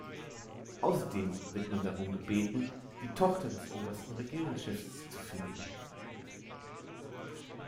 Außerdem wird man darum gebeten, die Tochter des obersten Regierungschefs zu finden.